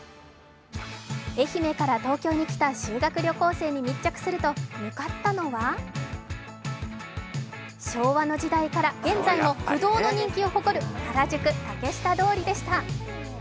愛媛から東京に来た修学旅行生に密着すると向かったのは昭和の時代から現在も不動の人気を誇る原宿・竹下通りでした。